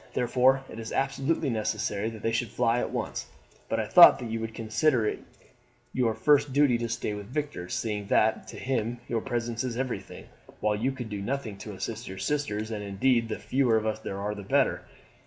Therefore it is absolutely necessary that they should fly at once; but I thought that you would consider it your first duty to stay with Victor, seeing that to him your presence is everything, while you could do nothing to assist your sisters, and indeed the fewer of us there are the better."